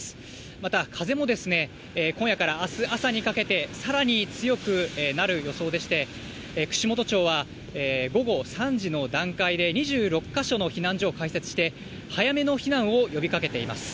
また、風も今夜からあす朝にかけて、さらに強くなる予想でして、串本町は午後３時の段階で、２６か所の避難所を開設して、早めの避難を呼びかけています。